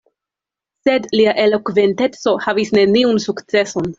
Sed lia elokventeco havis neniun sukceson.